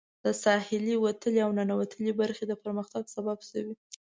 د ساحلي وتلې او ننوتلې برخې د پرمختګ سبب شوي.